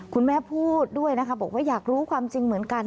คุณแม่พูดด้วยนะคะบอกว่าอยากรู้ความจริงเหมือนกัน